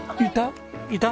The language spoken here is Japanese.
いた？